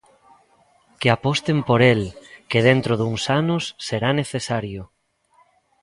Que aposten por el, que dentro duns anos será necesario.